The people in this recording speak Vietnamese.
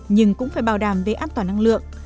nhưng cũng phải bảo đảm về an toàn năng lượng